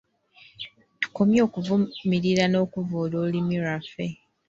Tukomye okuvumirira n'okuvvoola olulimi lwaffe.